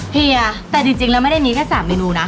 เฮียแต่จริงแล้วไม่ได้มีแค่๓เมนูนะ